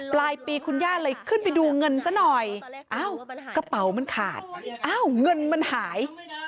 ปลายปีคุณย่าเลยขึ้นไปดูเงินซะหน่อยอ้าวกระเป๋ามันขาดอ้าวเงินมันหาย